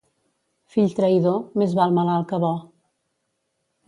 Fill traïdor, més val malalt que bo.